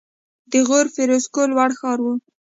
د غور فیروزکوه لوړ ښار و